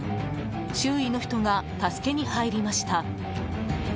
周囲の人が、助けに入りました。